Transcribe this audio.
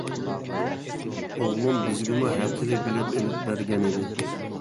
ئوغلۇم بىزگىمۇ ھەپتىلىك بېلەت ئېلىپ بەرگەن ئىدى.